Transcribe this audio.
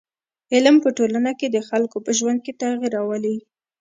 علم په ټولنه کي د خلکو په ژوند کي تغیر راولي.